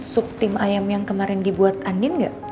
sup tim ayam yang kemarin di buat andin ga